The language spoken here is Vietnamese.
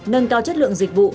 nâng cao chất lượng dịch vụ